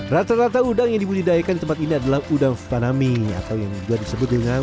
rata rata udang yang dibudidayakan di tempat ini adalah udang fanami atau yang juga disebut dengan